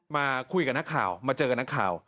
มาคุยกับนักข่าวมาเจอกับนักข่าว